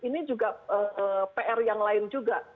ini juga pr yang lain juga